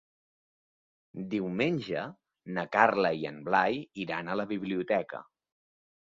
Diumenge na Carla i en Blai iran a la biblioteca.